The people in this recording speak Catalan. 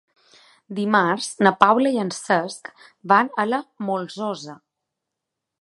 Dimarts na Paula i en Cesc van a la Molsosa.